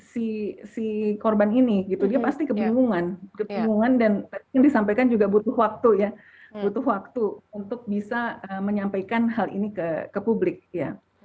si si korban ini gitu dia pasti kebingungan kebingungan dan disampaikan juga butuh waktu ya butuh waktu untuk bisa menyampaikan hal ini ke publik ya